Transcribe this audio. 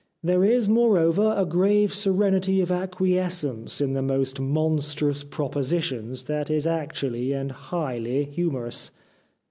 There is, moreover, a grave serenity of acquiescence in the most mon strous propositions that is actually and highly humorous."